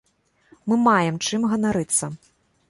Мы маем чым ганарыцца.